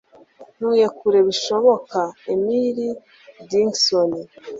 ntuye kure bishoboka. - emily dickinson